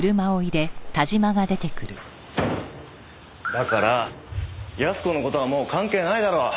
だから康子の事はもう関係ないだろう。